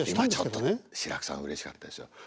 今ちょっと志らくさんうれしかったですよ。